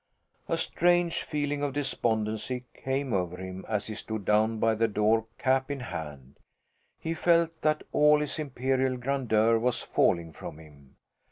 A strange feeling of despondency came over him as he stood down by the door, cap in hand; he felt that all his imperial grandeur was falling from him.